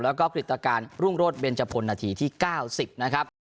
แล้วก็กริตรการรุ่งรถเบนเจ้าพลนาทีที่เก้าสิบนะครับ